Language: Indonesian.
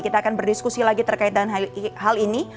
kita akan berdiskusi lagi terkait dengan hal ini